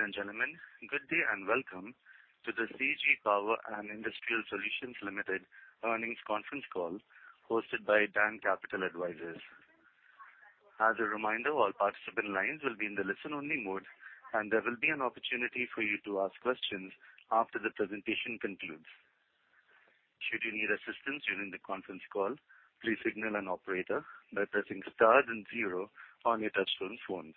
Ladies and gentlemen, good day and welcome to the CG Power and Industrial Solutions Limited earnings conference call hosted by DAM Capital Advisors. As a reminder, all participant lines will be in the listen-only mode, and there will be an opportunity for you to ask questions after the presentation concludes. Should you need assistance during the conference call, please signal an operator by pressing star then zero on your touchtone phone.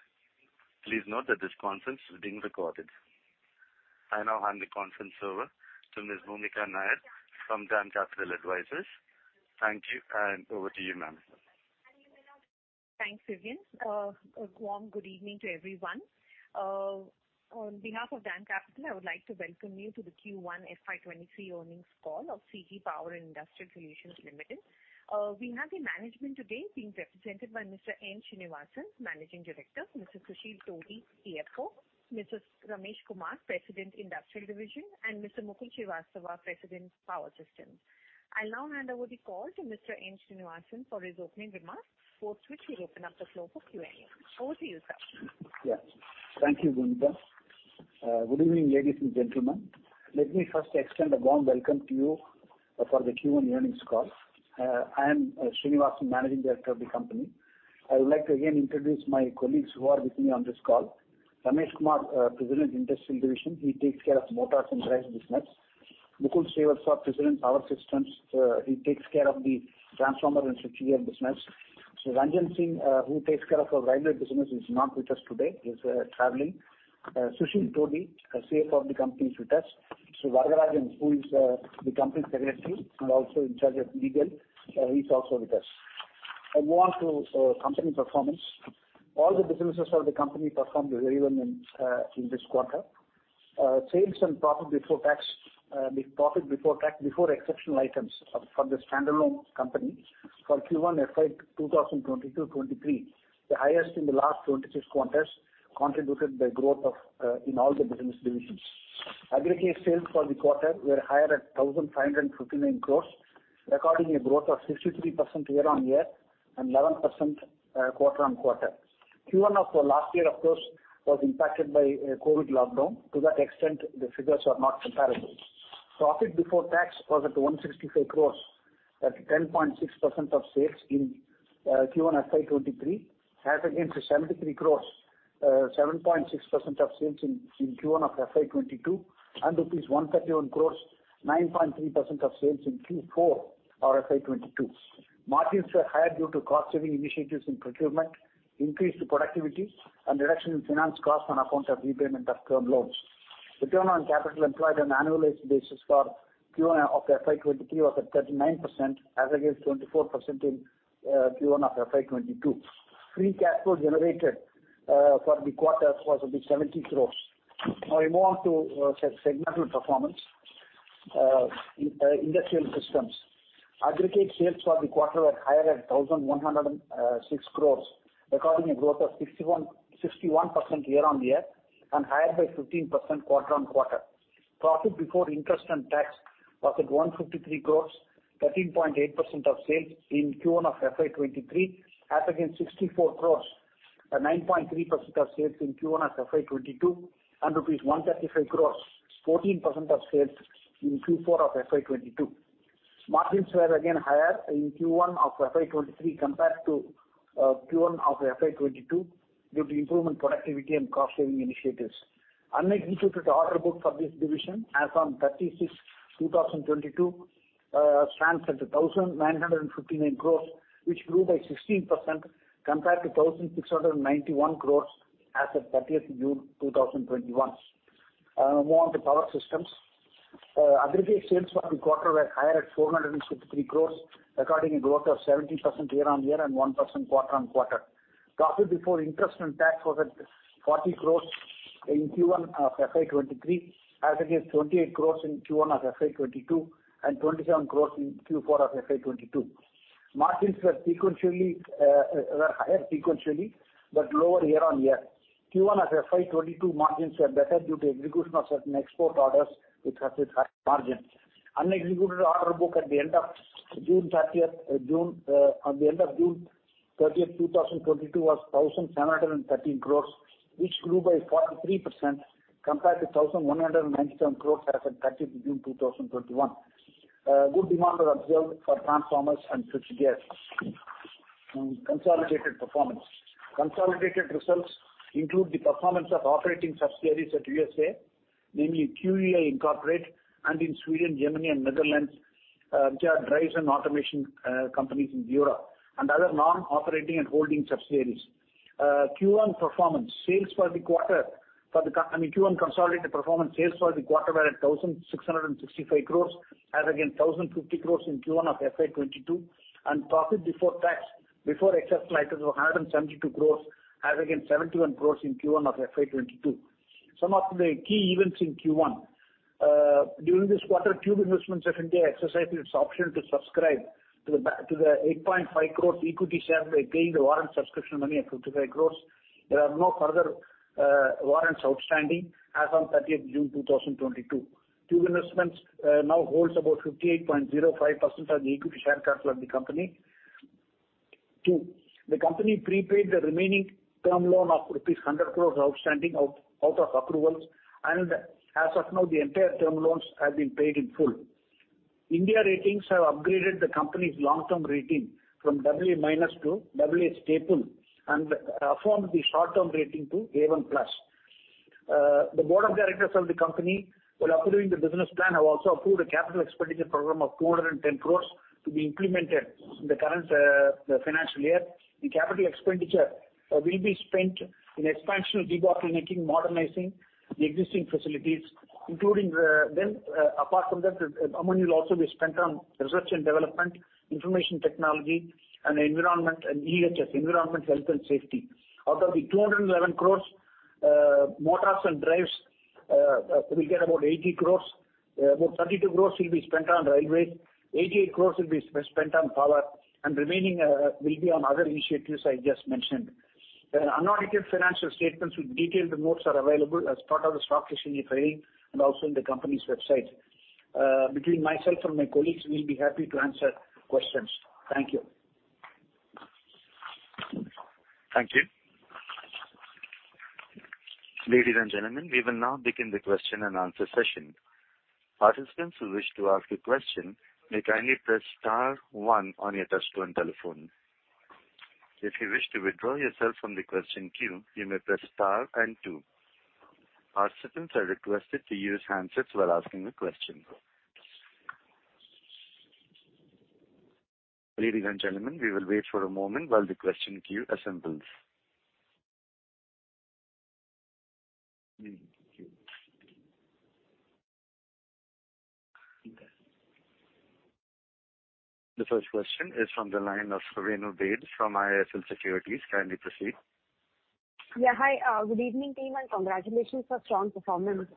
Please note that this conference is being recorded. I now hand the conference over to Ms. Bhoomika Nair from DAM Capital Advisors. Thank you, and over to you, ma'am. Thanks you. A warm good evening to everyone. On behalf of DAM Capital, I would like to welcome you to the Q1 FY23 Earnings Call of CG Power and Industrial Solutions Limited. We have the management today being represented by Mr. N. Srinivasan, Managing Director, Mr. Susheel Todi, CFO, Mr. Ramesh Kumar, President, Industrial Division, and Mr. Mukul Srivastava, President, Power Systems. I now hand over the call to Mr. N. Srinivasan for his opening remarks, post which he'll open up the floor for Q&A. Over to you, sir. Yeah. Thank you, Bhoomika. Good evening, ladies and gentlemen. Let me first extend a warm welcome to you for the Q1 earnings call. I am N. Srinivasan, Managing Director of the company. I would like to again introduce my colleagues who are with me on this call. Ramesh Kumar, President, Industrial Systems. He takes care of motors and drives business. Mukul Srivastava, President, Power Systems. He takes care of the transformer and switchgear business. Ranjan Singh, who takes care of our railway business is not with us today. He's traveling. Sushil Todi, CFO of the company is with us. Varadarajan, who is the company secretary and also in charge of legal, he's also with us. I move on to company performance. All the businesses of the company performed very well in this quarter. Sales and profit before tax before exceptional items from the standalone company for Q1 FY 2022/2023, the highest in the last 26 quarters, contributed by growth in all the business divisions. Aggregate sales for the quarter were higher at 1,559 crores, recording a growth of 63% year-on-year and 11% quarter-on-quarter. Q1 of the last year, of course, was impacted by a COVID lockdown. To that extent, the figures are not comparable. Profit before tax was at 165 crores, at 10.6% of sales in Q1 FY 2023, as against 73 crores, 7.6% of sales in Q1 of FY 2022, and rupees 131 crores, 9.3% of sales in Q4 of FY 2022. Margins were higher due to cost saving initiatives in procurement, increased productivity and reduction in finance costs on account of repayment of term loans. Return on capital employed on an annualized basis for Q1 of FY 2023 was at 39% as against 24% in Q1 of FY 2022. Free cash flow generated for the quarter was about 70 crores. Now I move on to segmental performance. Industrial systems. Aggregate sales for the quarter were higher at 1,106 crores, recording a growth of 61% year-on-year and higher by 15% quarter-on-quarter. Profit before interest and tax was at 153 crore, 13.8% of sales in Q1 of FY 2023, as against 64 crore at 9.3% of sales in Q1 of FY 2022 and rupees 135 crore, 14% of sales in Q4 of FY 2022. Margins were again higher in Q1 of FY 2023 compared to Q1 of FY 2022 due to improvement in productivity and cost saving initiatives. Unexecuted order book for this division as on 30/06/2022 stands at 1,959 crore, which grew by 16% compared to 1,691 crore as of 30th June 2021. Move on to Power Systems. Aggregate sales for the quarter were higher at 453 crores, recording a growth of 17% year-on-year and 1% quarter-on-quarter. Profit before interest and tax was at 40 crores in Q1 of FY 2023 as against 28 crores in Q1 of FY 2022 and 27 crores in Q4 of FY 2022. Margins were higher sequentially, but lower year-on-year. Q1 of FY 2022 margins were better due to execution of certain export orders which had a high margin. Unexecuted order book at the end of June 30, 2022 was 1,713 crores, which grew by 43% compared to 1,197 crores as at 30 June 2021. Good demand was observed for transformers and switchgears. Consolidated performance. Consolidated results include the performance of operating subsidiaries in the USA, namely QEI LLC, and in Sweden, Germany, and the Netherlands, which are drives and automation companies in Europe and other non-operating and holding subsidiaries. Q1 performance. Sales for the quarter, I mean, Q1 consolidated performance sales for the quarter were at 1,665 crores as against 1,050 crores in Q1 of FY 2022, and profit before tax, before excess items, was 172 crores as against 71 crores in Q1 of FY 2022. Some of the key events in Q1. During this quarter, Tube Investments of India exercised its option to subscribe to the 8.5 crores equity share by paying the warrant subscription money of 55 crores. There are no further warrants outstanding as on 30th June 2022. Tube Investments of India now holds about 58.05% of the equity share capital of the company. The company prepaid the remaining term loan of rupees 100 crore outstanding out of approvals, and as of now, the entire term loans have been paid in full. India Ratings have upgraded the company's long-term rating from AA- to AA+/Stable and affirmed the short-term rating to A1+. The Board of Directors of the company, while approving the business plan, have also approved a capital expenditure program of 210 crore to be implemented in the current financial year. The capital expenditure will be spent in expansion, debottlenecking, modernizing the existing facilities. Apart from that, amount will also be spent on research and development, information technology and environment and EHS, environment, health and safety. Out of the 211 crores, motors and drives, we get about 80 crore. About 32 crore will be spent on railways. 88 crore will be spent on power, and remaining will be on other initiatives I just mentioned. Unaudited financial statements with detailed notes are available as part of the stock exchange filing and also on the company's website. Between myself and my colleagues, we'll be happy to answer questions. Thank you. Thank you. Ladies and gentlemen, we will now begin the question and answer session. Participants who wish to ask a question may kindly press star one on your touchtone telephone. If you wish to withdraw yourself from the question queue, you may press star and two. Participants are requested to use handsets while asking a question. Ladies and gentlemen, we will wait for a moment while the question queue assembles. The first question is from the line of Ranojit Gill from ISL Securities. Kindly proceed. Yeah. Hi. Good evening team and congratulations for strong performance.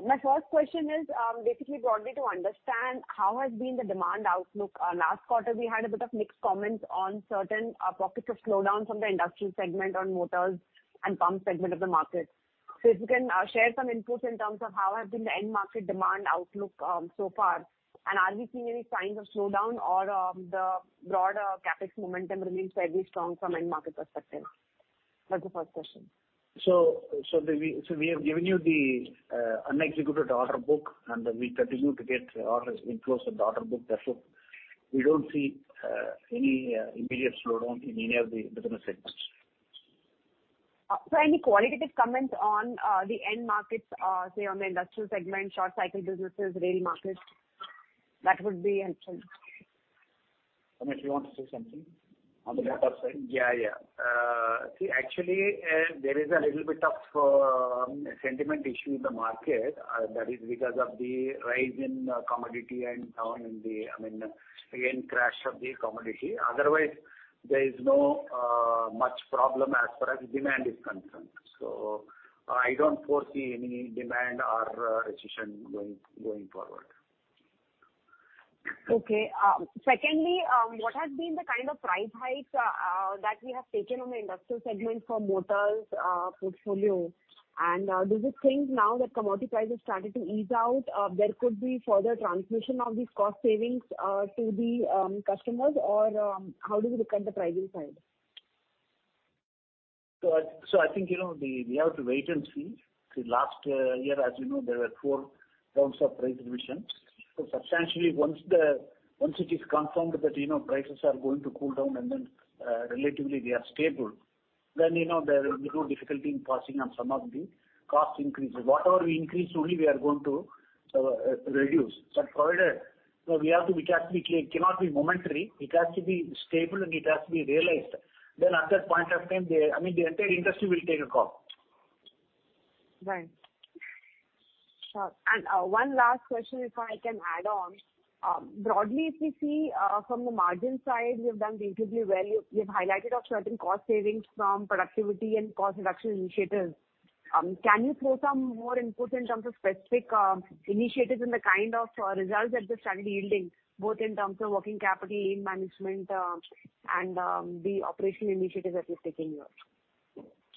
My first question is, basically broadly to understand how has been the demand outlook? Last quarter we had a bit of mixed comments on certain pockets of slowdown from the industrial segment on motors and pump segment of the market. So if you can share some inputs in terms of how has been the end market demand outlook so far, and are we seeing any signs of slowdown or the broader CapEx momentum remains fairly strong from end market perspective? That's the first question. We have given you the unexecuted order book, and we continue to get order inflows of the order book. We don't see any immediate slowdown in any of the business segments. Any qualitative comments on the end markets, say on the industrial segment, short cycle businesses, rail markets, that would be interesting? Sanjay, you want to say something on the data side? See, actually, there is a little bit of sentiment issue in the market that is because of the rise in commodity and down in the, I mean, again, crash of the commodity. Otherwise, there is no much problem as far as demand is concerned. I don't foresee any demand or recession going forward. Okay. Secondly, what has been the kind of price hikes that we have taken on the industrial segment for motors portfolio? Do you think now that commodity prices started to ease out, there could be further transmission of these cost savings to the customers? How do you look at the pricing side? I think, you know, we have to wait and see. Last year, as you know, there were four rounds of price revision. Substantially, once it is confirmed that, you know, prices are going to cool down and then, relatively they are stable, then, you know, there will be no difficulty in passing on some of the cost increases. Whatever we increase, only we are going to reduce, but provided, you know, it has to be. It cannot be momentary. It has to be stable, and it has to be realized. At that point of time, I mean, the entire industry will take a call. Right. Sure. One last question, if I can add on. Broadly, if we see, from the margin side, you have done relatively well. You've highlighted on certain cost savings from productivity and cost reduction initiatives. Can you throw some more inputs in terms of specific initiatives and the kind of results that they started yielding, both in terms of working capital, yield management, and the operational initiatives that you're taking here?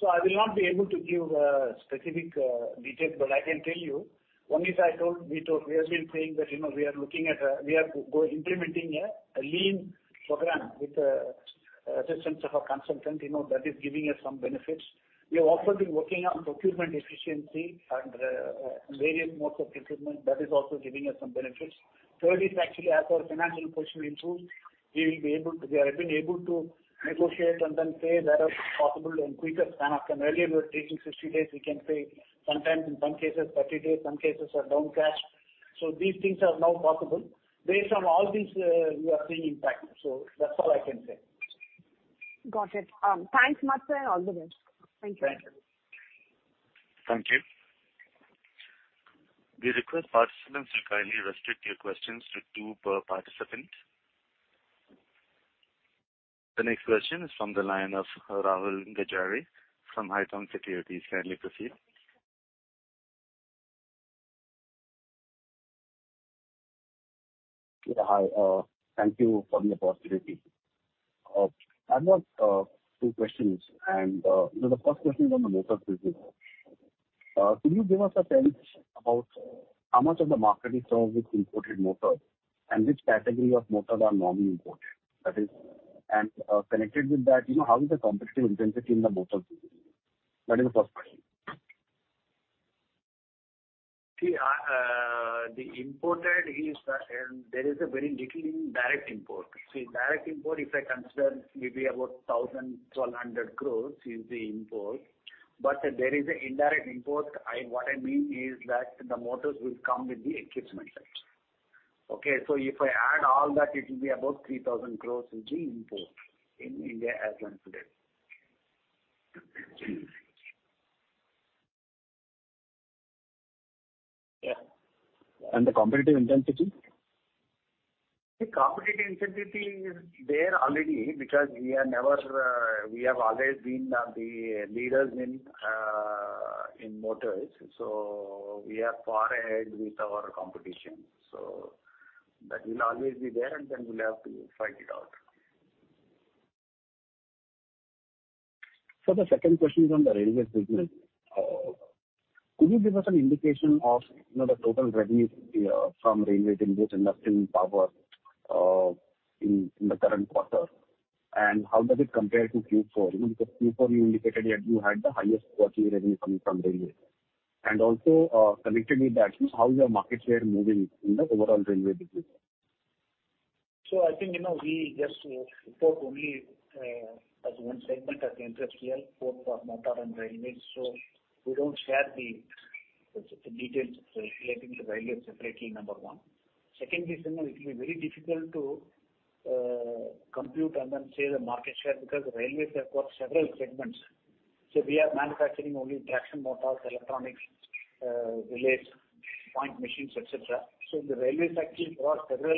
I will not be able to give specific details, but I can tell you, one is I told, we told, we have been saying that, you know, we are implementing a lean program with assistance of a consultant, you know, that is giving us some benefits. We have also been working on procurement efficiency and various modes of procurement. That is also giving us some benefits. Third is actually as our financial position improves, we will be able to. We have been able to negotiate and then pay thereof possible in quicker span. Earlier, we were taking 60 days. We can pay sometimes in some cases 30 days, some cases are down cash. These things are now possible. Based on all these, we are seeing impact. That's all I can say. Got it. Thanks much, sir. All the best. Thank you. Thanks. Thank you. We request participants to kindly restrict your questions to two per participant. The next question is from the line of Rahul Gajare from Haitong Securities. Kindly proceed. Yeah, hi. Thank you for the opportunity. I have two questions and the first question is on the motor business. Could you give us a sense about how much of the market is served with imported motors and which category of motors are normally imported? That is connected with that, you know, how is the competitive intensity in the motors business? That is the first question. See, the import is, there is very little indirect import. See, direct import, if I consider maybe about 1,100 crore is the import, but there is a indirect import. What I mean is that the motors will come with the equipment set. Okay, so if I add all that, it will be about 3,000 crore will be import in India as on today. Yeah. The competitive intensity? The competitive intensity is there already because we have always been the leaders in motors. We are far ahead of our competition. That will always be there, and then we'll have to fight it out. Sir, the second question is on the railway business. Could you give us an indication of, you know, the total revenue from railway in this industrial power in the current quarter? And how does it compare to Q4? You know, because Q4 you indicated that you had the highest quarterly revenue coming from railway. Also, connected with that, how is your market share moving in the overall railway business? I think, you know, we just report only as one segment as industrial, both for motor and railways. We don't share the details relating to railway separately, number one. Secondly, sir, it will be very difficult to compute and then say the market share because railways have got several segments. We are manufacturing only traction motors, electronics, relays, point machines, et cetera. The railways actually draw several,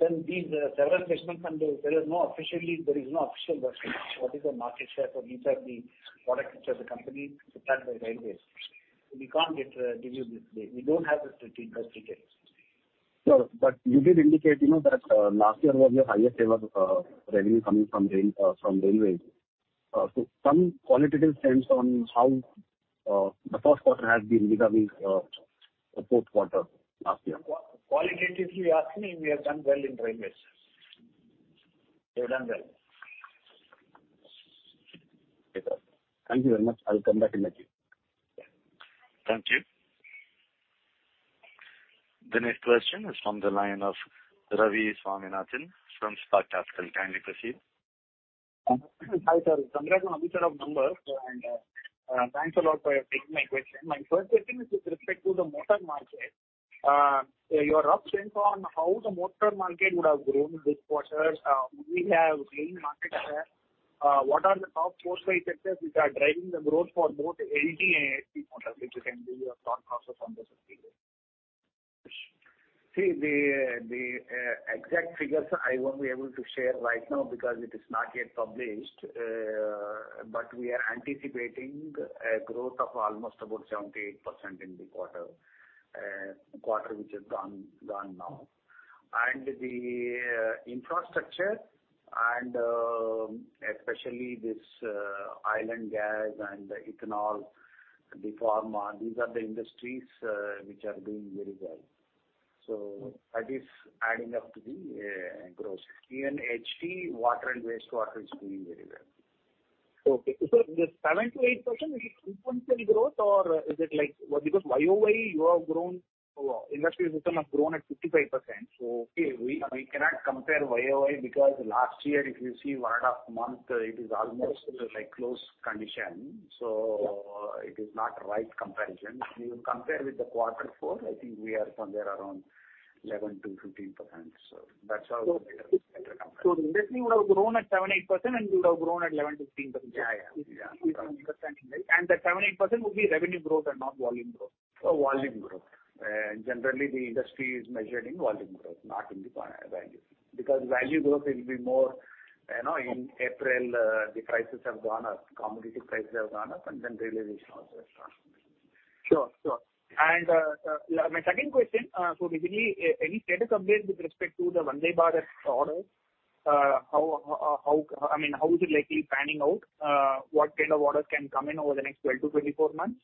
then these several segments and there is no official version what is the market share for each of the products which the company supplies the railways. We can't give you this data. We don't have the details. No, but you did indicate, you know, that last year was your highest ever revenue coming from rail, from railway. Some qualitative sense on how the first quarter has been regarding the fourth quarter last year. Qualitatively asking, we have done well in railways. We have done well. Thank you very much. I'll come back in the queue. Yeah. Thank you. The next question is from the line of Ravi Swaminathan from Spark Capital. Kindly proceed. Hi, sir. Congratulations on the set of numbers, and, thanks a lot for taking my question. My first question is with respect to the motor market. Your rough sense on how the motor market would have grown this quarter. We have gained market share. What are the top four, five sectors which are driving the growth for both LT and HP motors, if you can give your thought process on this as well. See, the exact figures I won't be able to share right now because it is not yet published. But we are anticipating a growth of almost about 78% in the quarter which is gone now. The infrastructure and, especially this oil and gas and ethanol, the pharma, these are the industries, which are doing very well. That is adding up to the growth. Even HT water and wastewater is doing very well. Okay. The 7%-8%, is it sequential growth or is it like? Because YOY you have grown, industry as a whole have grown at 55%. We cannot compare YOY because last year, if you see one and half month, it is almost like close condition, so it is not right comparison. If you compare with the quarter four, I think we are somewhere around 11%-15%. That's how better comparison. Industry would have grown at 7%-8% and you would have grown at 11%-15%. Yeah, yeah. Yeah. That 7%-8% would be revenue growth and not volume growth? Volume growth. Generally the industry is measured in volume growth, not in the value. Because value growth will be more, you know, in April, the prices have gone up, commodity prices have gone up and then realization also has transformed. Sure. Sure. My second question, so basically, any status update with respect to the Vande Bharat orders. How, I mean, is it likely panning out? What kind of orders can come in over the next 12-24 months?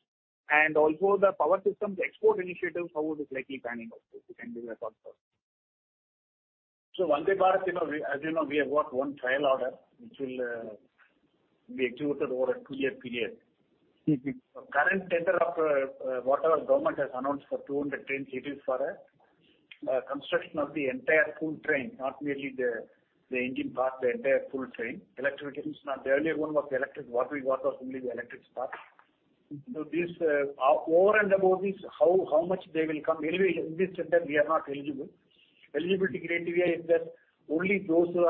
Also the power systems export initiatives, how is it likely panning out, if you can give your thoughts on it. Vande Bharat, you know, we, as you know, we have got one trial order, which will be executed over a two-year period. Current tender of whatever government has announced for 200 trains, it is for construction of the entire full train, not merely the engine part, the entire full train. Electrification is not. The earlier one was electric. What we got was only the electrics part. This, over and above this, how much they will come? Anyway, in this tender we are not eligible. Eligibility criteria is that only those who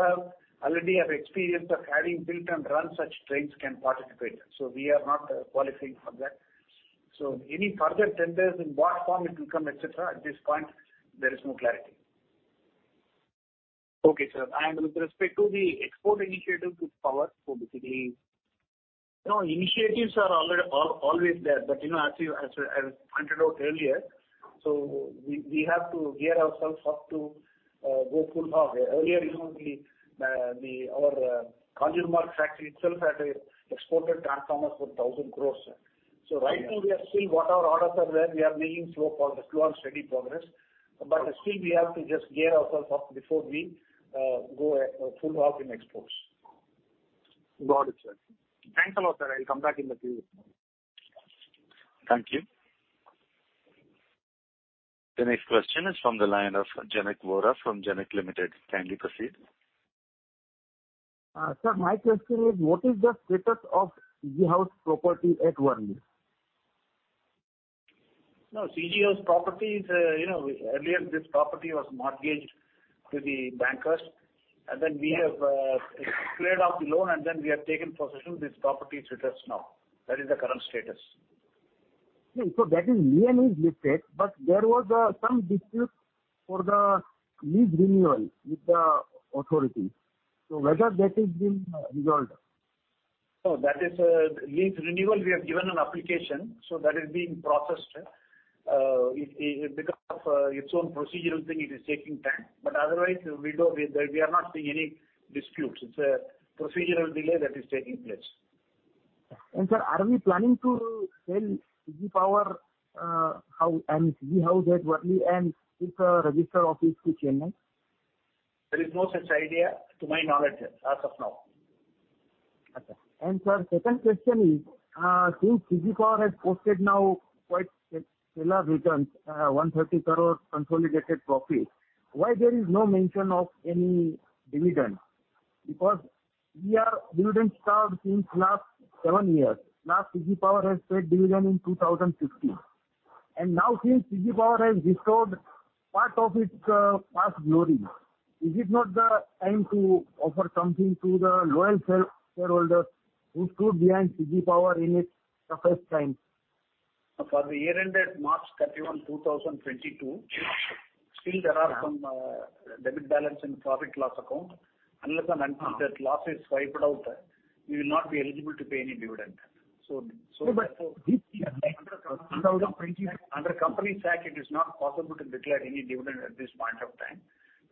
already have experience of having built and run such trains can participate. We are not qualifying for that. Any further tenders, in what form it will come, et cetera, at this point there is no clarity. Okay, sir. With respect to the export initiative with power. You know, initiatives are always there. You know, as you pointed out earlier. So we have to gear ourselves up to go full hog. Earlier, you know, our Kanjurmarg factory itself had exported transformers for 1,000 crores. So right now we are still with our orders there, we are making slow and steady progress. Still we have to just gear ourselves up before we go full hog in exports. Got it, sir. Thanks a lot, sir. I'll come back in the queue. Thank you. The next question is from the line of Janak Vora from Janak Limited. Kindly proceed. Sir, my question is, what is the status of CG House property at Worli? No, CG House property is, you know, earlier this property was mortgaged to the bankers, and then we have cleared off the loan, and then we have taken possession of this property with us now. That is the current status. That is nearly listed, but there was some dispute for the lease renewal with the authority. Whether that has been resolved? No, that is lease renewal. We have given an application, so that is being processed. It is taking time because of its own procedural thing, it is takin time. Otherwise we are not seeing any disputes. It's a procedural delay that is taking place. Sir, are we planning to sell CG Power house and CG house at Worli and its registered office to Chennai? There is no such idea to my knowledge as of now. Okay. Sir, second question is, since CG Power has posted now quite stellar returns, 130 crores consolidated profit, why is there no mention of any dividend? Because we are dividend starved since last seven years. Last CG Power has paid dividend in 2015. Now since CG Power has restored part of its past glory, is it not the time to offer something to the loyal shareholder who stood behind CG Power in its toughest times? For the year ended March 31, 2022, still there are some debit balance in profit loss account. Unless and until that loss is wiped out, we will not be eligible to pay any dividend. No, this year. Under Companies Act, it is not possible to declare any dividend at this point of time.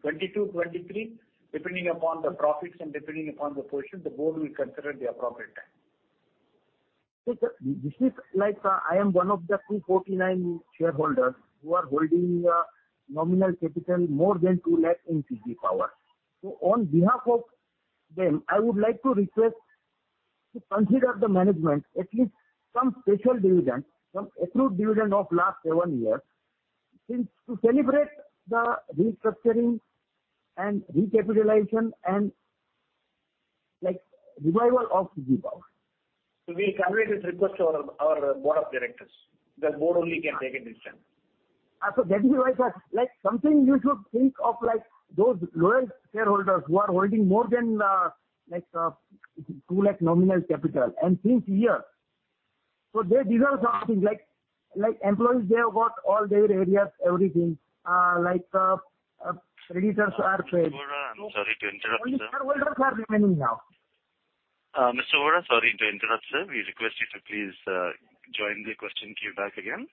2022, 2023, depending upon the profits and depending upon the position, the board will consider at the appropriate time. Sir, I am one of the 249 shareholders who are holding nominal capital more than 2 lakh in CG Power. On behalf of them, I would like to request the management to consider at least some special dividend, some accrued dividend of the last seven years, to celebrate the restructuring and recapitalization and revival of CG Power. We'll convey this request to our Board of Directors, because board only can take a decision. That is why, sir, like something you should think of like those loyal shareholders who are holding more than, like, 2 lakh nominal capital, and for years. They deserve something like employees, they have got all their arrears, everything, creditors are paid. Mr. Vora, I'm sorry to interrupt, sir. Only shareholders are remaining now. Mr. Vora, sorry to interrupt, sir. We request you to please join the question queue back again.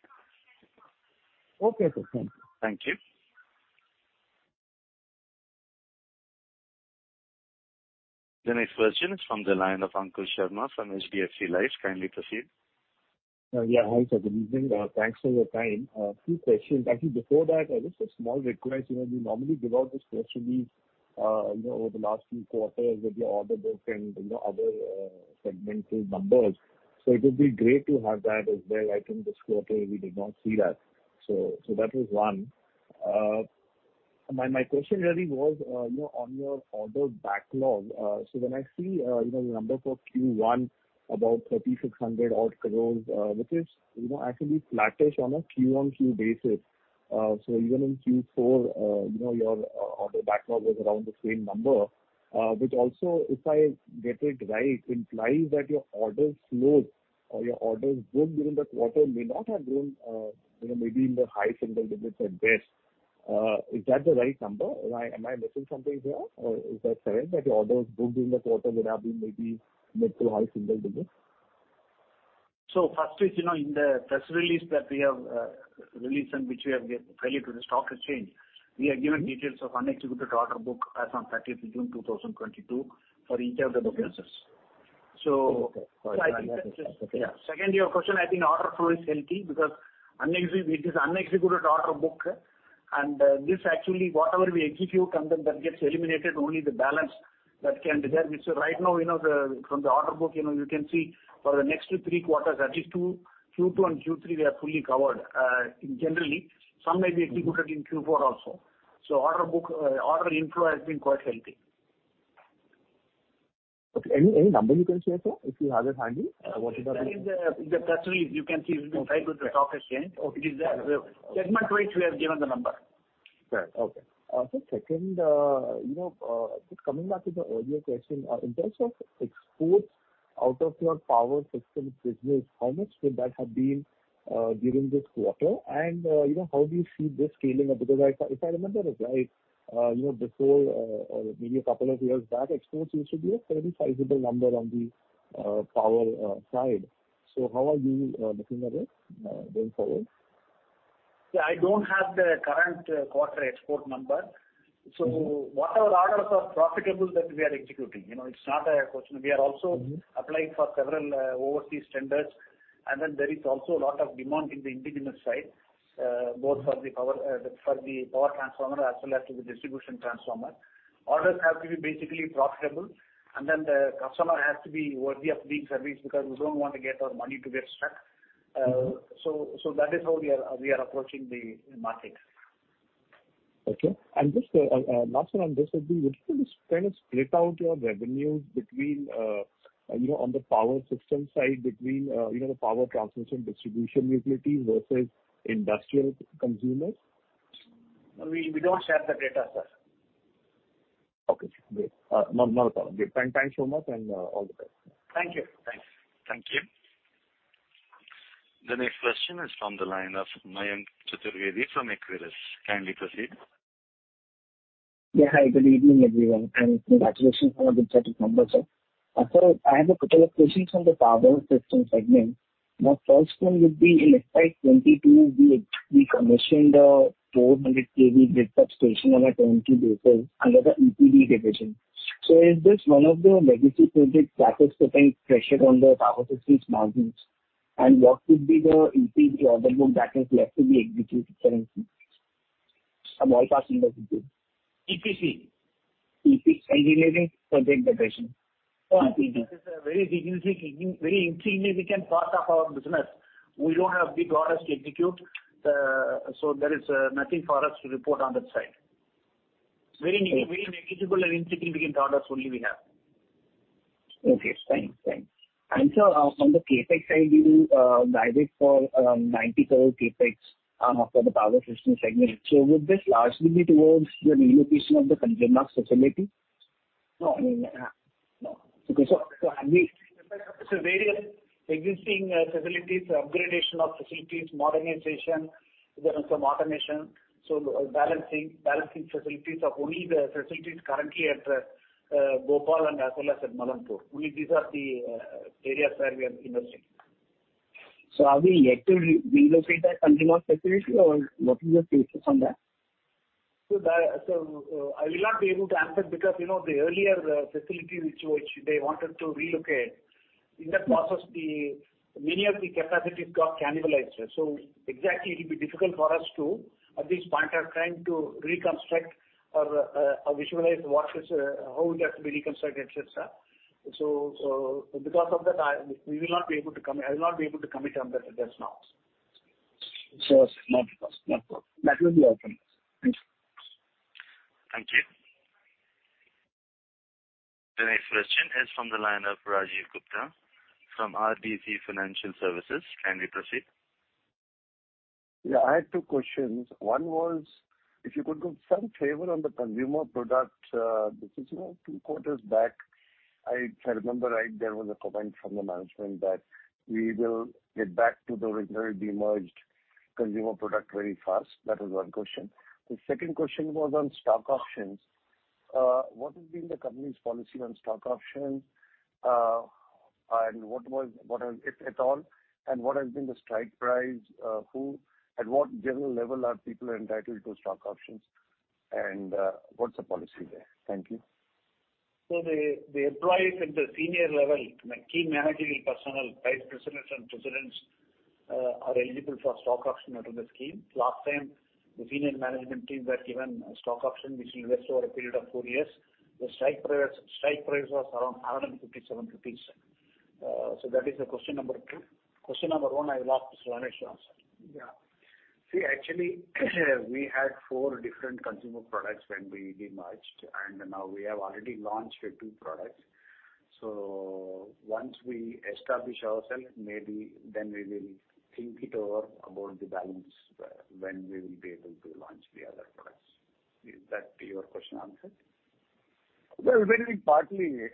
Okay, sir. Thank you. Thank you. The next question is from the line of Ankur Sharma from HDFC Life. Kindly proceed. Yeah. Hi, sir. Good evening. Thanks for your time. Two questions. Actually, before that, just a small request. You know, we normally give out this press release, you know, over the last few quarters with your order book and, you know, other, segmental numbers. It would be great to have that as well. I think this quarter we did not see that. That was one. My question really was, you know, on your order backlog. When I see, you know, the number for Q1, about 3,600 crore, which is, you know, actually flattish on a Q-o-Q basis. Even in Q4, you know, your order backlog was around the same number. Which also, if I get it right, implies that your order flows or your orders booked during the quarter may not have grown, you know, maybe in the high single digits at best. Is that the right number? Am I missing something here or is that correct, that your orders booked during the quarter would have been maybe mid to high single digits%? First is, you know, in the press release that we have released and which we have filed with the stock exchange, we have given details of unexecuted order book as on 30th of June, 2022 for each of the businesses. Okay. Got it. I think that is, yeah. Second to your question, I think order flow is healthy because it is unexecuted order book. This actually whatever we execute and then that gets eliminated, only the balance that can be there. Which right now you know the, from the order book, you know, you can see for the next two, three quarters, at least two, Q2 and Q3, we are fully covered in general. Some may be executed in Q4 also. Order book, order inflow has been quite healthy. Okay. Any number you can share, sir, if you have it handy? What is the- That is, in the press release you can see. We've been very good to the stock exchange. Okay. It is there. Segment wise we have given the number. Fair. Okay. Sir, second, you know, just coming back to the earlier question, in terms of exports out of your power systems business, how much would that have been during this quarter? You know, how do you see this scaling up? Because I, if I remember right, you know, before maybe a couple of years back, exports used to be a fairly sizable number on the power side. How are you looking at it going forward? Yeah, I don't have the current quarter export number. Whatever orders are profitable that we are executing, you know, it's not a question. We are also applying for several overseas tenders. Then there is also a lot of demand in the indigenous side, both for the power transformer as well as the distribution transformer. Orders have to be basically profitable, and then the customer has to be worthy of being serviced because we don't want our money to get stuck. That is how we are approaching the markets. Okay. Just last one on this would be would you just kind of split out your revenues between, you know, on the power system side between, you know, the power transmission distribution utilities versus industrial consumers? We don't share the data, sir. Okay. Great. No problem. Great. Thank you so much, and all the best. Thank you. Thanks. Thank you. The next question is from the line of Mayank Chaturvedi from Equirus. Kindly proceed. Hi, good evening, everyone, and congratulations on the strong numbers. Sir, I have a couple of questions on the power systems segment. The first one would be in FY 2022, we commissioned a 400 KV grid substation on a turnkey basis under the EPC division. Is this one of the legacy projects that is putting pressure on the power systems margins? And what would be the EPC order book that is left to be executed currently? From my part EPC? EPC, engineering, procurement, construction. No, I think it is a very insignificant part of our business. We don't have big orders to execute. There is nothing for us to report on that side. Very negligible and insignificant orders only we have. Okay, thanks. Thanks. Sir, on the CapEx side, you guided for 90 crore CapEx for the power systems segment. Would this largely be towards the relocation of the Kanjurmarg facility? No. Okay. Various existing facilities, upgradation of facilities, modernization. There are some automation, so balancing facilities of only the facilities currently at Bhopal and as well as at Malanpur. Only these are the areas where we are investing. Are we likely to relocate that Kandurmarg facility or what is your thesis on that? I will not be able to answer because, you know, the earlier facility which they wanted to relocate, in that process many of the capacities got cannibalized. Exactly it'll be difficult for us to, at this point, visualize what is, how it has to be reconstructed, et cetera. Because of that, we will not be able to commit. I will not be able to commit on that just now. Sure, sir. No problem. That will be all from us. Thanks. Thank you. The next question is from the line of Rajiv Gupta from RBC Financial Services. Kindly proceed. Yeah, I have two questions. One was if you could give some flavor on the consumer product business. You know, two quarters back, if I remember right, there was a comment from the management that we will get back to the regularly demerged consumer product very fast. That is one question. The second question was on stock options. What has been the company's policy on stock options? And what has been the strike price, if at all? At what general level are people entitled to stock options? And what's the policy there? Thank you. The employees at the senior level, the key managerial personnel, vice presidents and presidents, are eligible for stock option under the scheme. Last time the senior management team were given stock option, which will vest over a period of four years. The strike price was around 157 rupees, sir. That is the question number two. Question number one, I will ask Mr. Ganesh to answer. Yeah. See, actually, we had four different consumer products when we demerged, and now we have already launched two products. Once we establish ourself, maybe then we will think it over about the balance, when we will be able to launch the other products. Is that your question answered? Well, very partly.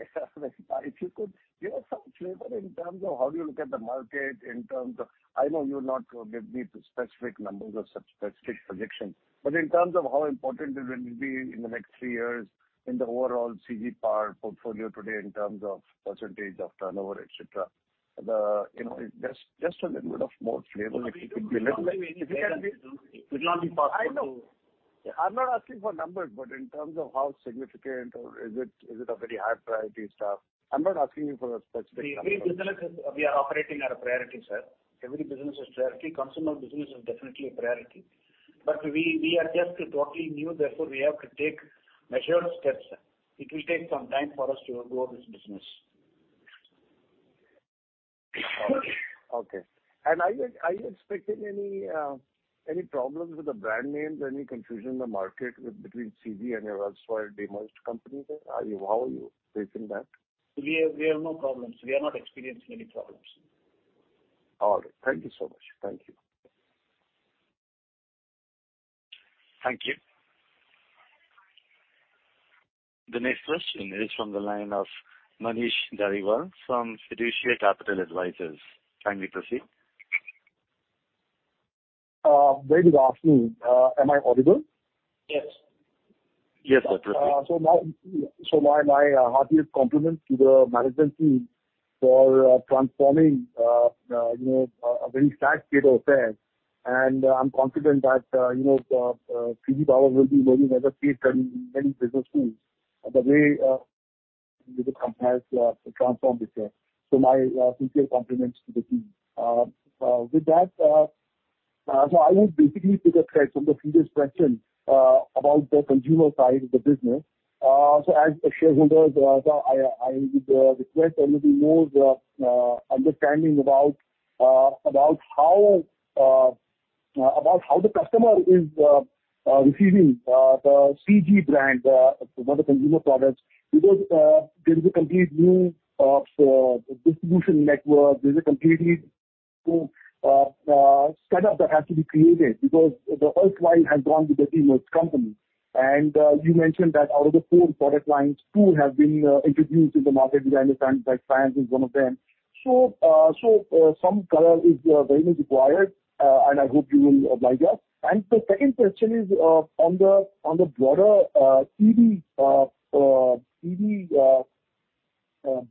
If you could give some flavor in terms of how do you look at the market in terms of, I know you'll not give me specific numbers or specific projections, but in terms of how important it will be in the next three years in the overall CG Power portfolio today in terms of percentage of turnover, et cetera. You know, just a little bit more flavor if you could. We don't give any guidance, so it would not be possible to. I know. I'm not asking for numbers, but in terms of how significant or is it a very high priority stuff? I'm not asking you for a specific number. Every businesses we are operating are a priority, sir. Every business is a priority. Consumer business is definitely a priority, but we are just totally new. Therefore, we have to take measured steps. It will take some time for us to grow this business. Okay. Are you expecting any problems with the brand names, any confusion in the market with between CG and your erstwhile demerged companies? How are you facing that? We have no problems. We are not experiencing any problems. All right. Thank you so much. Thank you. Thank you. The next question is from the line of Manish Dhariwal from Fiducia Capital Advisors. Kindly proceed. Very good afternoon. Am I audible? Yes. Yes, absolutely. My heartiest compliments to the management team for transforming, you know, a very sad state of affairs. I'm confident that, you know, CG Power will be going at a pace and many business schools the way this compares to transform this business. My sincere compliments to the team. With that, I would basically pick a thread from the previous question about the consumer side of the business. As a shareholder I would request a little bit more understanding about how the customer is receiving the CG brand for the consumer products because there is a complete new distribution network. There's a completely setup that has to be created because the erstwhile has gone to the team of company. You mentioned that out of the four product lines, two have been introduced in the market. We understand that fans is one of them. Some color is very much required, and I hope you will oblige us. The second question is on the broader EV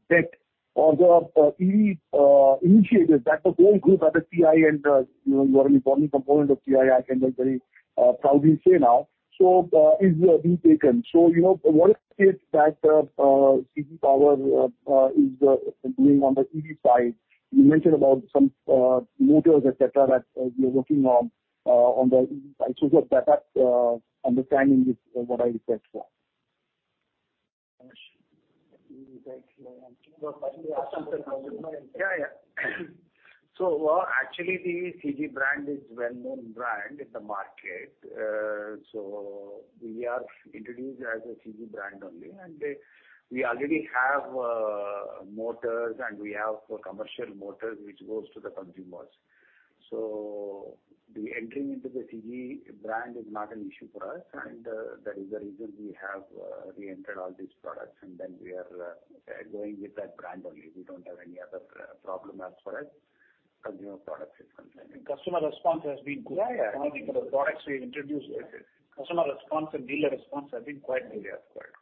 deck or the EV initiatives that the whole group at the TI end, you know, you are an important component of TI, I can just very proudly say now, is being taken. You know, what is it that CG Power is doing on the EV side? You mentioned about some motors, et cetera, that you're working on the. [inaudible] Yeah, yeah. Actually, the CG brand is well-known brand in the market. We are introduced as a CG brand only, and we already have motors and we have commercial motors which goes to the consumers. The entering into the CG brand is not an issue for us. That is the reason we have reentered all these products, and then we are going with that brand only. We don't have any other problem as far as consumer products is concerned. Customer response has been good. Yeah, yeah. All the products we introduced, customer response and dealer response have been quite clear. Correct.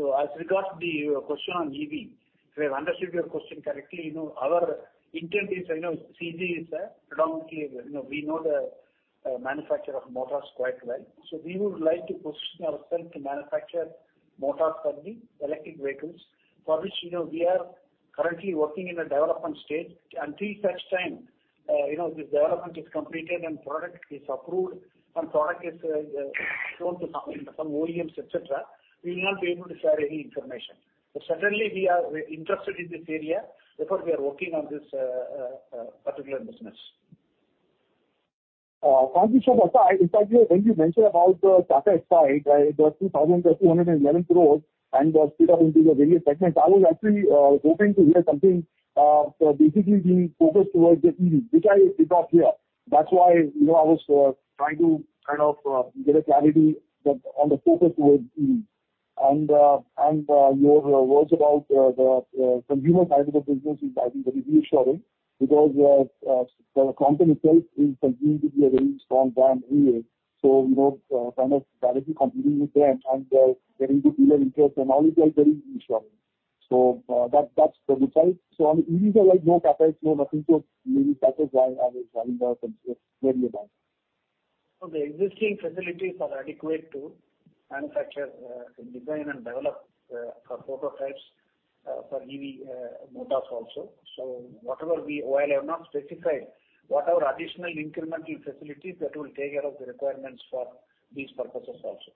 As regards the question on EV, if I understood your question correctly, you know, our intent is, you know, CG is a predominantly, you know, we know the manufacture of motors quite well. We would like to position ourselves to manufacture motors for the electric vehicles for which, you know, we are currently working in a development stage. Until such time, you know, this development is completed and product is approved and product is shown to some OEMs, et cetera, we will not be able to share any information. Certainly we are interested in this area, therefore we are working on this particular business. Thank you so much, sir. In fact, when you mentioned about the CapEx side, the 2,211 crore and split up into the various segments, I was actually hoping to hear something basically being focused towards the EV, which I did not hear. That's why, you know, I was trying to kind of get clarity on the focus towards EV. Your words about the consumer side of the business is actually very reassuring because the company itself is continuing to be a very strong brand anyway. You know, kind of directly competing with them and getting the dealer interest and all is, like, very reassuring. That's the good side. On EVs are like no CapEx, no nothing, so maybe that's why I was wondering the consumer side. The existing facilities are adequate to manufacture, design and develop, for prototypes, for EV, motors also. While I have not specified, whatever additional incremental facilities that will take care of the requirements for these purposes also.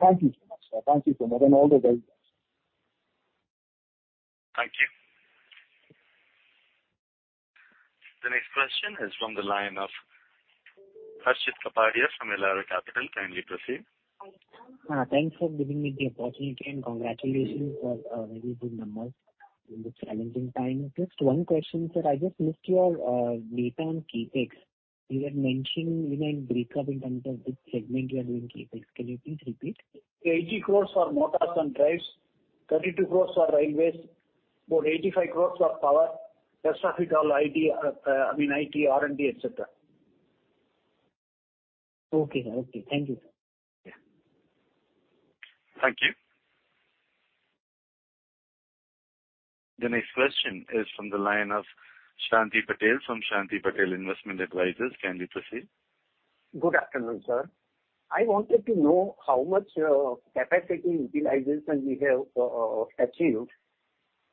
Thank you so much, sir. Thank you so much. All the best. Thank you. The next question is from the line of Harshit Kapadia from Elara Capital. Kindly proceed. Thanks for giving me the opportunity, and congratulations for very good numbers in the challenging time. Just one question, sir. I just looked at your data on CapEx. You had mentioned in a breakdown in terms of which segment you are doing CapEx. Can you please repeat? 80 crore for motors and drives, 32 crore for railways, about 85 crore for power. Rest of it all, I mean, IT, R&D, et cetera. Okay. Thank you, sir. Yeah. Thank you. The next question is from the line of Shanti Patel from Shanti Patel Investment Advisors. Kindly proceed. Good afternoon, sir. I wanted to know how much capacity utilization we have achieved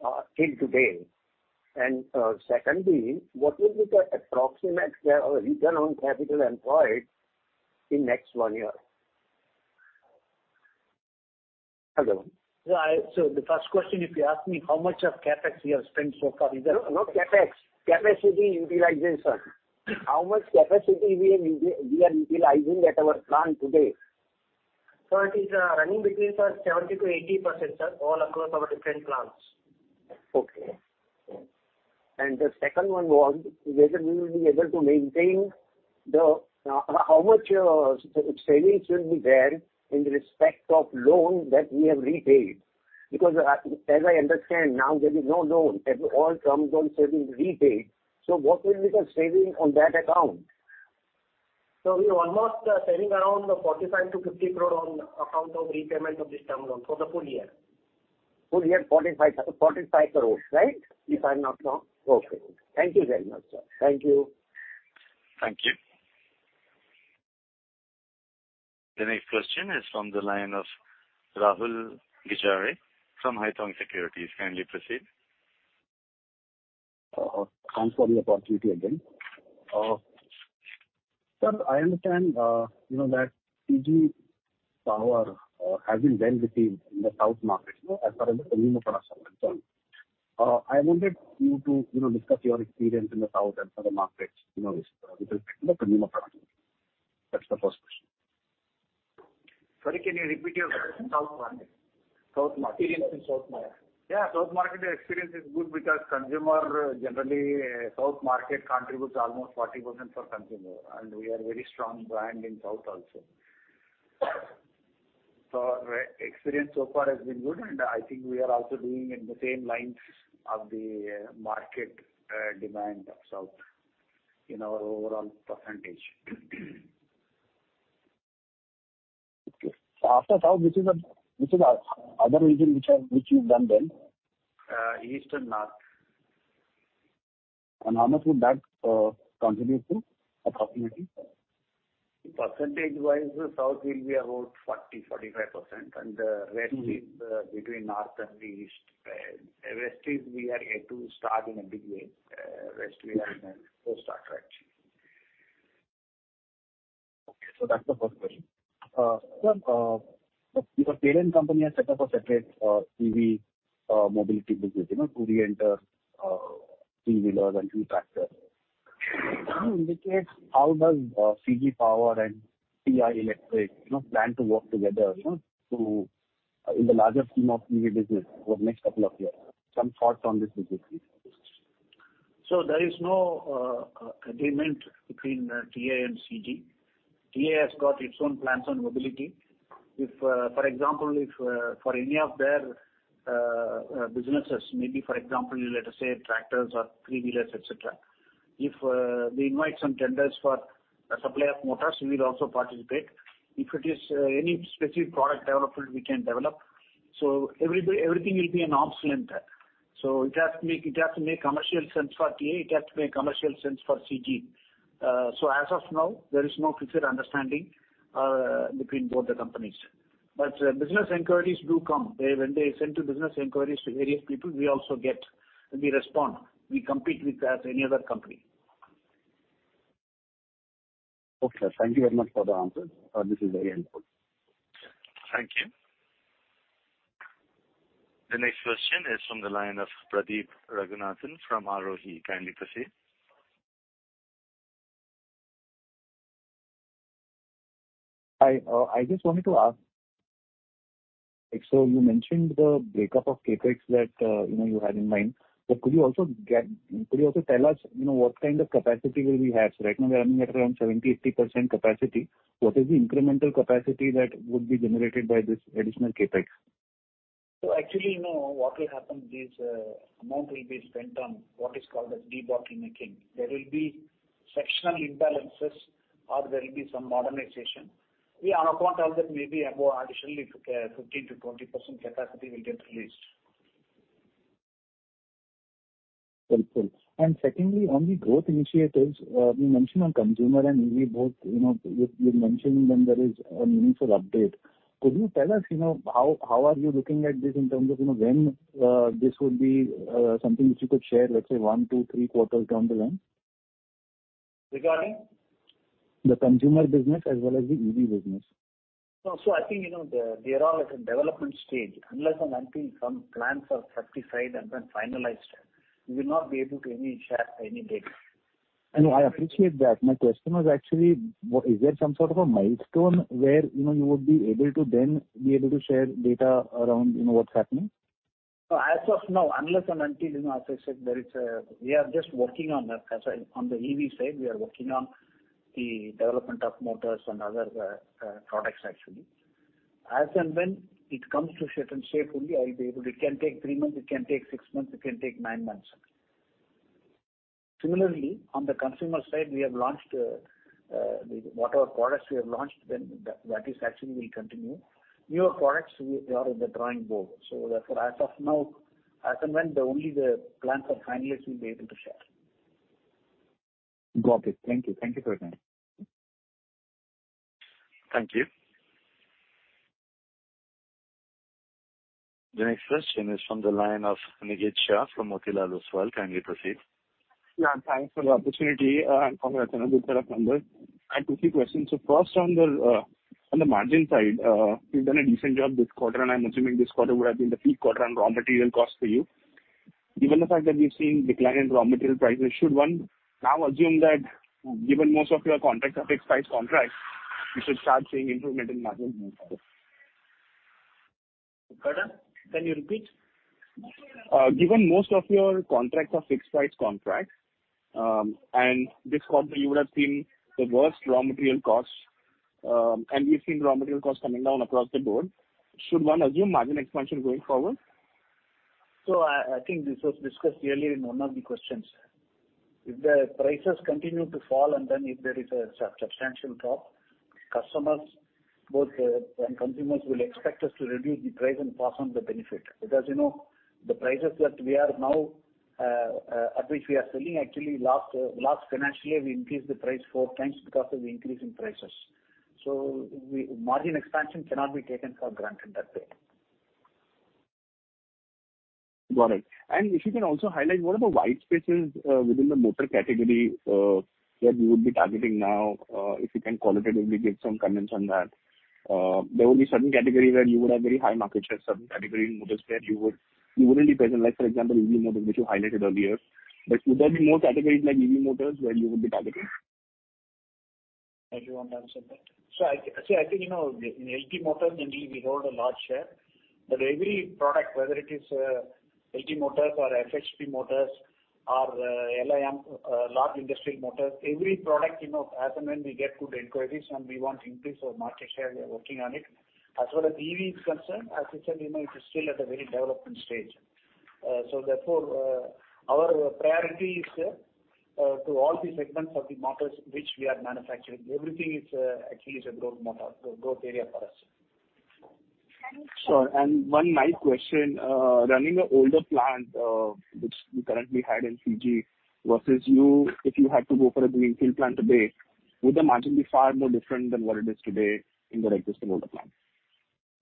to date. Secondly, what will be the approximate return on capital employed in next one year? Hello. The first question, if you ask me how much of CapEx we have spent so far is No, not CapEx. Capacity utilization. How much capacity we are utilizing at our plant today? It is running between 70%-80%, sir, all across our different plants. The second one was whether we will be able to maintain how much savings will be there in respect of loan that we have repaid? Because as I understand now, there is no loan and all terms on saving repaid. What will be the saving on that account? We are almost saving around 45 crore-50 crore on account of repayment of this term loan for the full year. Full year, 45, 45 crores, right? If I'm not wrong. Okay. Thank you very much, sir. Thank you. Thank you. The next question is from the line of Rahul Gajare from Haitong Securities India. Kindly proceed. Thanks for the opportunity again. Sir, I understand, you know, that CG Power has been well received in the South market, you know, as far as the premium products are concerned. I wanted you to, you know, discuss your experience in the South and other markets, you know, with respect to the premium products. That's the first question. Sorry, can you repeat your? South market. South market. Experience in South market. Yeah, South market experience is good because consumer generally, South market contributes almost 40% for consumer, and we are a very strong brand in South also. Our experience so far has been good, and I think we are also doing in the same lines of the market, demand of South in our overall percentage. Okay. After South, which are the other region you've done well? East and North. How much would that contribute to approximately? Percentage wise, the South will be about 40%-45%. Rest is between North and the East. West, we are yet to start in a big way. West, we are in a post starter actually. Okay. That's the first question. Sir, your parent company has set up a separate EV mobility business, you know, to re-enter three-wheeler, two-wheeler and tractor. In that case, how does CG Power and TI Electric, you know, plan to work together, you know, in the larger scheme of EV business over the next couple of years? Some thoughts on this business, please. There is no agreement between TI and CG. TI has got its own plans on mobility. For example, for any of their businesses, maybe for example, let us say tractors or three-wheelers, et cetera, if they invite some tenders for a supply of motors, we will also participate. If it is any specific product development, we can develop. Everything will be an arm's length. It has to make commercial sense for TI, it has to make commercial sense for CG. As of now, there is no fixed understanding between both the companies. Business inquiries do come. They, when they send the business inquiries to various people, we also get, and we respond. We compete with as any other company. Okay, sir. Thank you very much for the answers. This is very helpful. Thank you. The next question is from the line of Pradeep Raghunathan from Aarohi. Kindly proceed. Hi. I just wanted to ask, like, so you mentioned the breakup of CapEx that, you know, you had in mind. But could you also tell us, you know, what kind of capacity will we have? Right now we are running at around 70%-80% capacity. What is the incremental capacity that would be generated by this additional CapEx? Actually, no. What will happen is, amount will be spent on what is called as debottlenecking. There will be sectional imbalances or there will be some modernization. We on account of that maybe about additionally 15%-20% capacity will get released. Simple. Secondly, on the growth initiatives, you mentioned on consumer and EV both, you know, you're mentioning when there is a meaningful update. Could you tell us, you know, how are you looking at this in terms of, you know, when this would be something which you could share, let's say one, two, three quarters down the line? Regarding? The consumer business as well as the EV business. No. I think, you know, they're all at the development stage. Unless and until some plans are certified and then finalized, we will not be able to share any data. No, I appreciate that. My question was actually, is there some sort of a milestone where, you know, you would be able to then be able to share data around, you know, what's happening? No. As of now, unless and until, you know, as I said, we are just working on that. On the EV side, we are working on the development of motors and other products actually. As and when it comes to certain shape fully, I'll be able to. It can take three months, it can take six months, it can take nine months. Similarly, on the consumer side, we have launched whatever products we have launched then that that is actually will continue. Newer products, they are on the drawing board. As of now, as and when the plans are finalized we'll be able to share. Got it. Thank you. Thank you very much. Thank you. The next question is from the line of Niket Shah from Motilal Oswal. Kindly proceed. Yeah, thanks for the opportunity. Congratulations with the numbers. I have two, three questions. First on the margin side, you've done a decent job this quarter, and I'm assuming this quarter would have been the peak quarter on raw material costs for you. Given the fact that we've seen decline in raw material prices, should one now assume that given most of your contracts are fixed price contracts, we should start seeing improvement in margins going forward? Quarter? Can you repeat? Given most of your contracts are fixed price contracts, and this quarter you would have seen the worst raw material costs, and we've seen raw material costs coming down across the board. Should one assume margin expansion going forward? I think this was discussed earlier in one of the questions. If the prices continue to fall and then if there is a substantial drop, both customers and consumers will expect us to reduce the price and pass on the benefit. Because, you know, the prices that we are now at which we are selling, actually last financial year we increased the price four times because of the increase in prices. Margin expansion cannot be taken for granted that way. Got it. If you can also highlight what are the white spaces within the motor category that you would be targeting now, if you can qualitatively give some comments on that. There will be certain category where you would have very high market share, certain category in motors where you would, you wouldn't be present, like, for example, EV motors which you highlighted earlier. Would there be more categories like EV motors where you would be targeting? If you want to answer that. I think, you know, in LT motors mainly we hold a large share. But every product, whether it is LT motors or FHP motors or LIM, large industrial motors, every product, you know, as and when we get good inquiries and we want to increase our market share, we are working on it. As far as EV is concerned, as I said, you know, it is still at a very development stage. Therefore, our priority is to all the segments of the motors which we are manufacturing. Everything actually is a growth area for us. Sure. One last question. Running an older plant, which you currently had in CG versus you, if you had to go for a greenfield plant today, would the margin be far more different than what it is today in the existing older plant?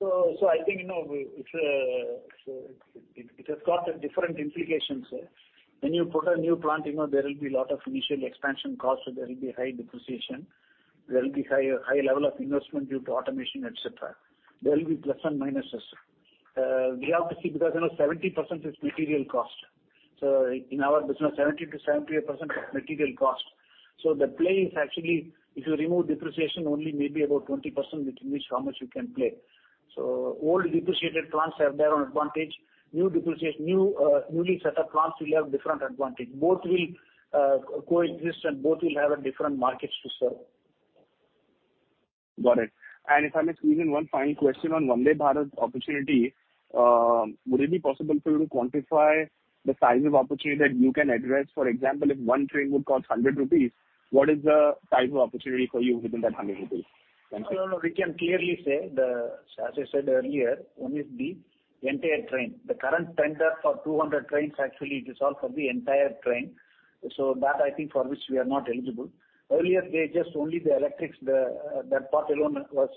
I think, you know, it's, so it has got different implications. When you put a new plant, you know, there will be lot of initial expansion costs, so there will be high depreciation. There will be high level of investment due to automation, et cetera. There will be plus and minuses. We have to see because, you know, 70% is material cost. In our business, 70%-71% is material cost. The play is actually if you remove depreciation, only maybe about 20% between which how much you can play. Old depreciated plants have their own advantage. Newly set up plants will have different advantage. Both will co-exist and both will have different markets to serve. Got it. If I may squeeze in one final question on Vande Bharat opportunity, would it be possible for you to quantify the size of opportunity that you can address? For example, if one train would cost 100 rupees, what is the size of opportunity for you within that 100 rupees? Thank you. No, no, we can clearly say. As I said earlier, one is the entire train. The current tender for 200 trains, actually it is all for the entire train. So that I think for which we are not eligible. Earlier they just only the electrics, that part alone was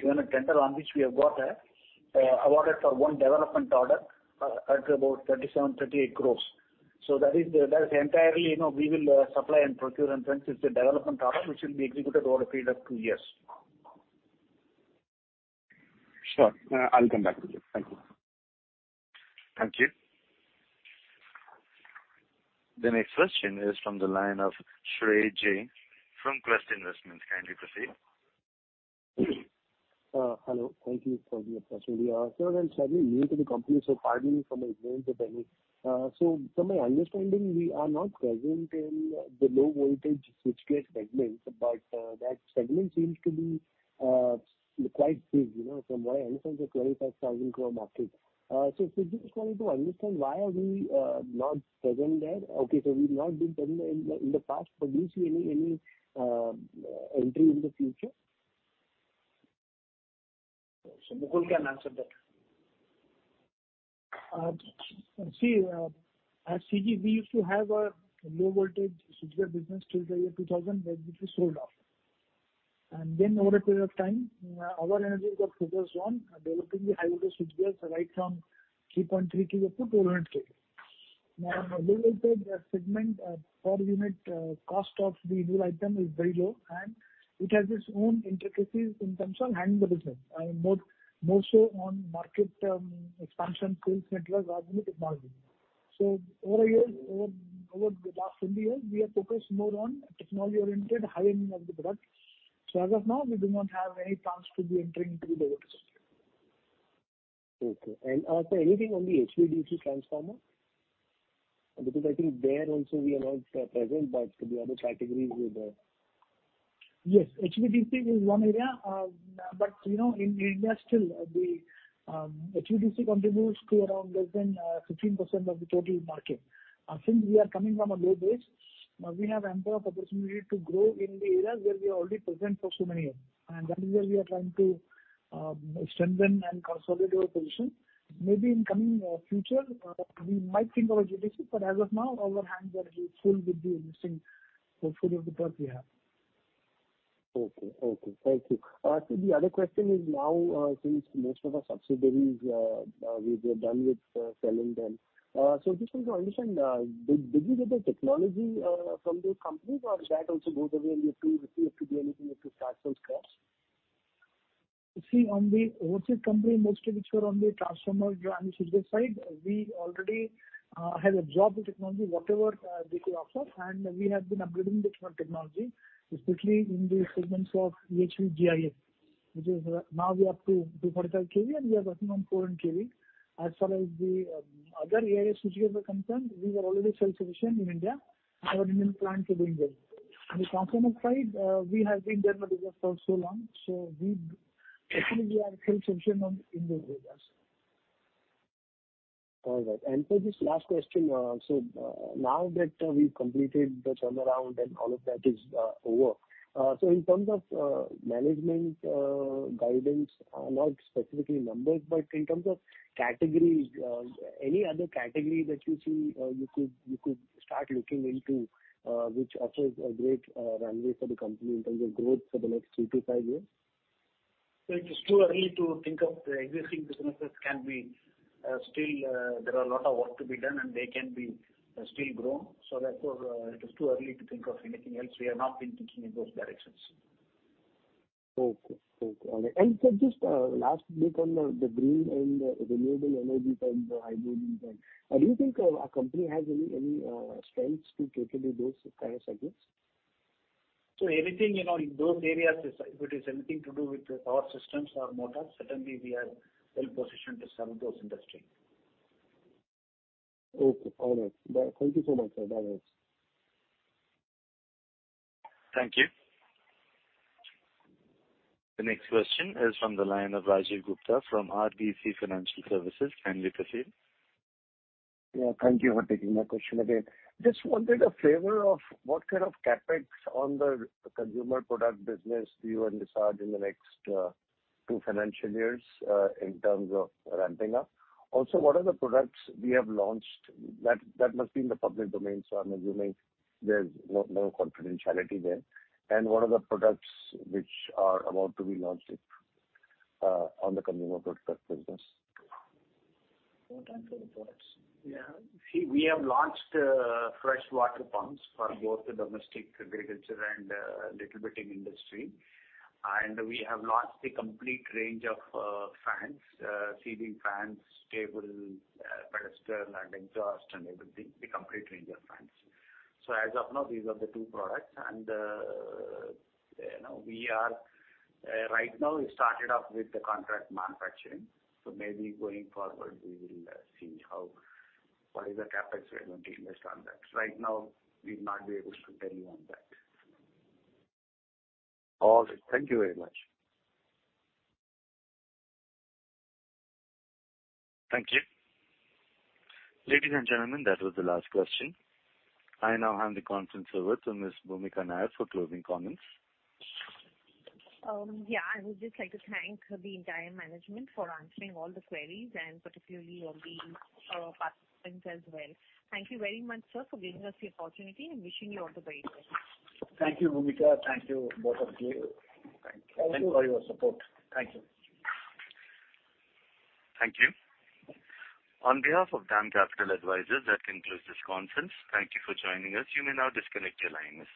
given a tender on which we have got awarded for one development order at about 37 crore-38 crore. So that is entirely, you know, we will supply and procure and since it's a development order, which will be executed over a period of two years. Sure. I'll come back to you. Thank you. Thank you. The next question is from the line of Shreyas J. from Quest Investments. Kindly proceed. Hello. Thank you for the opportunity. Sir, I'm slightly new to the company, so pardon me for my ignorance if any. So from my understanding, we are not present in the low voltage switchgear segment, but that segment seems to be quite big, you know, from what I understand, it's a 25,000 crore market. So just wanted to understand why are we not present there? Okay. We've not been present in the past, but do you see any entry in the future? Mukul can answer that. At CG we used to have a low voltage switchgear business till the year 2000, that which we sold off. Then over a period of time, our energy got focused on developing the high voltage switchgears, right from 3.3 kV up to 400 kV. Now low voltage segment, per unit, cost of the whole item is very low, and it has its own intricacies in terms of handling the business, and more so on market, expansion, sales network rather than the technology. Over the years, over the last 20 years, we are focused more on technology-oriented, high end of the product. As of now we do not have any plans to be entering into the low voltage segment. Okay. Anything on the HVDC transformer? Because I think there also we are not present, but could be other categories with the. Yes, HVDC is one area. But you know, in India still, the HVDC contributes to around less than 15% of the total market. Since we are coming from a low base, we have ample of opportunity to grow in the areas where we are already present for so many years. That is where we are trying to strengthen and consolidate our position. Maybe in coming future, we might think about HVDC, but as of now our hands are full with the existing portfolio of products we have. Okay. Thank you. The other question is now, since most of our subsidiaries we are done with selling them. Just wanted to understand, did we get the technology from those companies or that also goes away and we have to do anything we have to start from scratch? See, on the overseas company, most of which were on the transformer and switchgear side, we already have absorbed the technology, whatever they could offer. We have been upgrading the technology, especially in the segments of UHV GIS, which now we are up to 230 kV and we are working on 420 kV. As far as the other areas which concern you, we are already self-sufficient in India. Our Indian plants are doing well. On the transformer side, we have been there in the business for so long, so actually, we are self-sufficient on entire business. All right. Sir, this last question. Now that we've completed the turnaround and all of that is over, so in terms of management guidance, not specifically numbers, but in terms of categories, any other category that you see you could start looking into, which offers a great runway for the company in terms of growth for the next two to five years? It is too early to think of the existing businesses can be still. There are a lot of work to be done and they can be, still grown. Therefore, it is too early to think of anything else. We have not been thinking in those directions. Okay. All right. Sir, just last bit on the green and renewable energy from the hybrid angle. Do you think our company has any strengths to cater to those kind of segments? Anything, you know, in those areas, if it is anything to do with power systems or motors, certainly we are well positioned to serve those industries. Okay. All right. Bye. Thank you so much, sir. Bye-bye. Thank you. The next question is from the line of Rajiv Gupta from RBC Financial Services. Kindly proceed. Yeah, thank you for taking my question again. Just wanted a favor of what kind of CapEx on the consumer product business do you envisage in the next two financial years in terms of ramping up? Also, what are the products we have launched that must be in the public domain, so I'm assuming there's no confidentiality there. What are the products which are about to be launched on the consumer product business? Go and tell the products. Yeah. See, we have launched fresh water pumps for both the domestic agriculture and little bit in industry. We have launched a complete range of fans, ceiling fans, table, pedestal, and exhaust, and everything, the complete range of fans. As of now, these are the two products and, you know, we are right now, we started off with the contract manufacturing. Maybe going forward we will see how, what is the CapEx we are going to invest on that. Right now, we'd not be able to tell you on that. All right. Thank you very much. Thank you. Ladies and gentlemen, that was the last question. I now hand the conference over to Ms. Bhoomika Nair for closing comments. Yeah, I would just like to thank the entire management for answering all the queries and particularly all the participants as well. Thank you very much, sir, for giving us the opportunity and wishing you all the very best. Thank you, Bhoomika. Thank you both of you. Thank you. Thanks for your support. Thank you. Thank you. On behalf of DAM Capital Advisors, that concludes this conference. Thank you for joining us. You may now disconnect your lines.